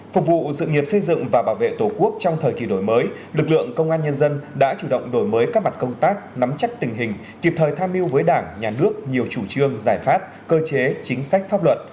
phục vụ sự nghiệp xây dựng và bảo vệ tổ quốc trong thời kỳ đổi mới lực lượng công an nhân dân đã chủ động đổi mới các mặt công tác nắm chắc tình hình kịp thời tham mưu với đảng nhà nước nhiều chủ trương giải pháp cơ chế chính sách pháp luật